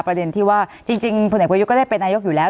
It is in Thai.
ประเด็นที่ว่าจริงพลเอกประยุทธ์ก็ได้เป็นนายกอยู่แล้ว